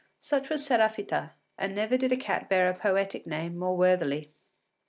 Such was Séraphita, and never did a cat bear a poetic name more worthily.